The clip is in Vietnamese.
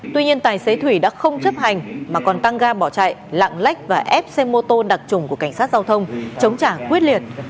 tuy nhiên tài xế thủy đã không chấp hành mà còn tăng ga bỏ chạy lạng lách và ép xe mô tô đặc trùng của cảnh sát giao thông chống trả quyết liệt